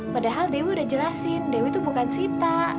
padahal dewi udah jelasin dewi itu bukan sita